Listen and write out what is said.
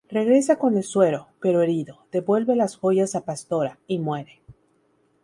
Regresa con el suero, pero herido, devuelve las joyas a Pastora, y muere.